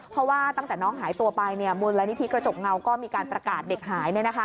เพราะว่าตั้งแต่น้องหายตัวไปมูลนิธิกระจกเงาก็มีการประกาศเด็กหาย